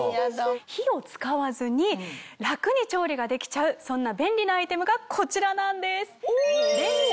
火を使わずに楽に調理ができちゃうそんな便利なアイテムがこちらなんです。